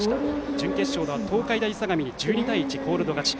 準決勝では、東海大相模に１２対１とコールド勝ち。